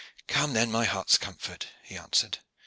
"Come, then, my heart's comfort," he answered.